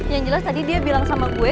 yang jelas tadi dia bilang sama gue